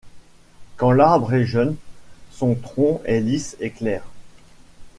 Quand l'arbre est jeune son tronc est lisse et clair.